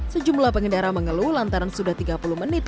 sejumlah pengendara mengeluh lantaran sudah tiga puluh menit